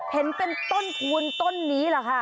เห็นเป็นต้นคูณต้นนี้เหรอคะ